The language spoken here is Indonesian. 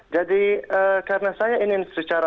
jadi karena saya ingin secara